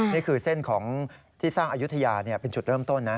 นี่คือเส้นของที่สร้างอายุทยาเป็นจุดเริ่มต้นนะ